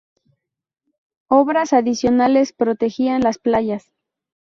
Obras adicionales protegían las playas.